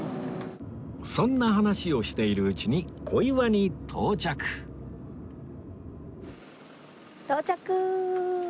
そんな話をしているうちに小岩に到着到着！